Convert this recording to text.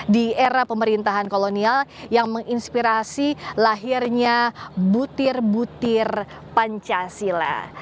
di era pemerintahan kolonial yang menginspirasi lahirnya butir butir pancasila